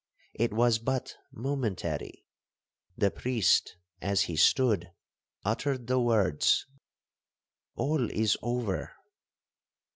It was but momentary,—the priest, as he stood, uttered the words—'All is over!'